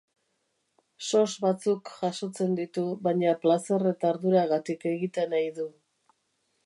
SOS batzuk jasotzen ditu, baina plazer eta arduragatik egiten ei du.